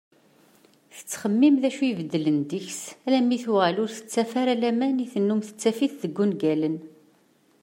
Tettxemmim d acu i ibeddlen deg-s alammi tuɣal ur tettaf ara laman i tennum tettaf-it deg ungalen.